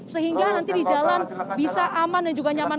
sehingga nanti di jalan bisa aman dan juga nyaman